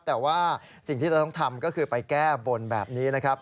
แต่ว่าสิ่งที่เราต้องทำก็คือไปแก้บนแบบนี้นะครับ